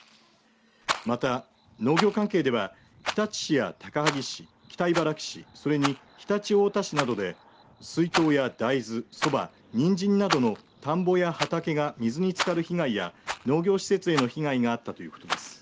また農業関係では日立市や高萩市北茨城市それに常陸太田市などで水稲や大豆ソバ、ニンジンなどの田んぼや畑が水につかる被害や農業施設への被害があったということです。